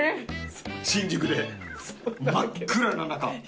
新宿で真っ暗な中。